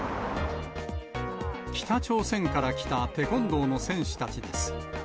北朝鮮から来たテコンドーの選手たちです。